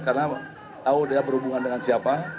karena tahu dia berhubungan dengan siapa